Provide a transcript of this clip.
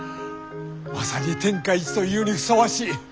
まさに天下一というにふさわしい。